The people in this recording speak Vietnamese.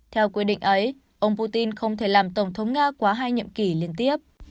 theo quy định ấy ông putin không thể làm tổng thống nga quá hai nhiệm kỳ liên tiếp